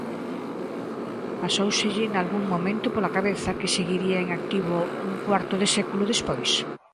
Pasóuselle nalgún momento pola cabeza que seguiría en activo un cuarto de século despois?